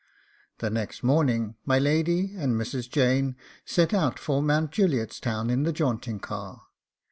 The next morning my lady and Mrs. Jane set out for Mount Juliet's Town in the jaunting car.